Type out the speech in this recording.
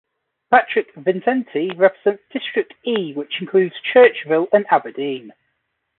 Patrick Vincenti represents district E which includes Churchville and Aberdeen.